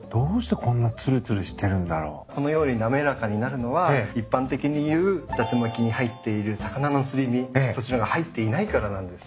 このように滑らかになるのは一般的に言うだて巻きに入っている魚のすり身そちらが入っていないからなんです。